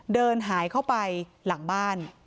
เดินหายเข้าไปหลังบ้าน